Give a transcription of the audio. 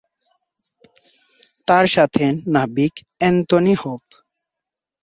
তার সাথে আছে নাবিক অ্যান্থনি হোপ।